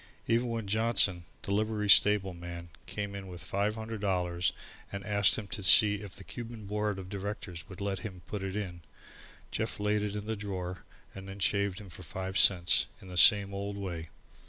Even when Johnson, the livery stable man, came in with five hundred dollars and asked him to see if the Cuban Board of Directors would let him put it in, Jeff laid it in the drawer and then shaved him for five cents, in the same old way.